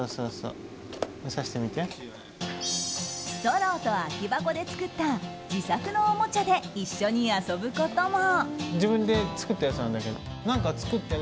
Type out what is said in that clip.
ストローと空き箱で作った自作のおもちゃで一緒に遊ぶことも。